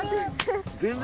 全然。